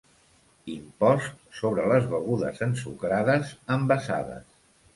Impost sobre les begudes ensucrades envasades.